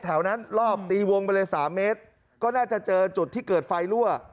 แถวนั้นรอบตีวงไปเลยสามเมตรก็น่าจะเจอจุดที่เกิดไฟรั่ว